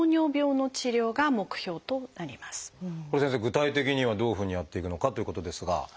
具体的にはどういうふうにやっていくのかということですが。